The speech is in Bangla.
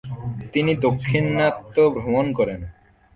তিনি দাক্ষিনাত্য ভ্রমণ করেন।